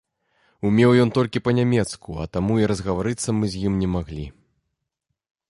Умеў ён толькі па-нямецку, а таму і разгаварыцца мы з ім не маглі.